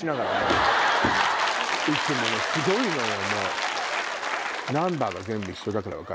いつもねひどいのよ。